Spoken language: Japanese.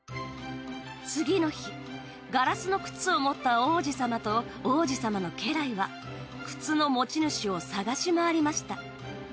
次の日ガラスの靴を持った王子様と王子様の家来は靴の持ち主を探し回りました。